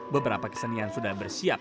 beberapa kesenian sudah bersiap